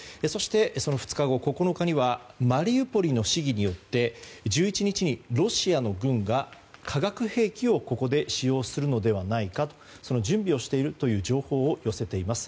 その２日後、９日にはマリウポリの市議によって１１日にロシアの軍が化学兵器をここで使用するのではないかその準備をしているという情報を寄せています。